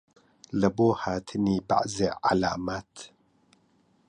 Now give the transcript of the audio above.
لەبۆ هاتنی بەعزێ عەلامات